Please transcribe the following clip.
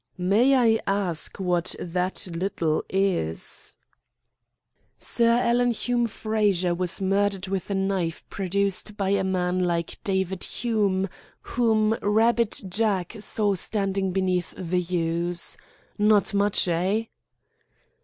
"May I ask what that little is?" "Sir Alan Hume Frazer was murdered with a knife produced by a man like David Hume, whom 'Rabbit Jack' saw standing beneath the yews. Not much, eh?"